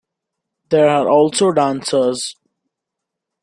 There are also dancers.